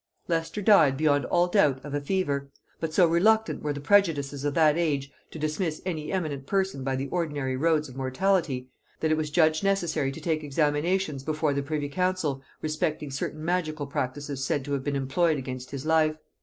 Leicester died, beyond all doubt, of a fever; but so reluctant were the prejudices of that age to dismiss any eminent person by the ordinary roads of mortality, that it was judged necessary to take examinations before the privy council respecting certain magical practices said to have been employed against his life.